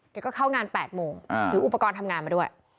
เขาก็เข้างานแปดโมงอืมหรืออุปกรณ์ทำงานมาด้วย